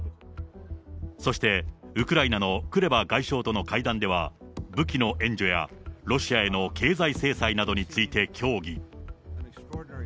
そしてウクライナのクレバ外相との会談では、武器の援助やロシアへの経済制裁などについて協議。